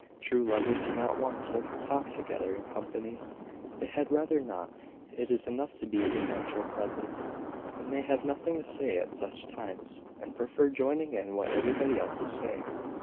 True lovers do not want to talk together in company; they had rather not. It is enough to be in mutual presence; and they have nothing to say at such times, and prefer joining in what everybody else is saying.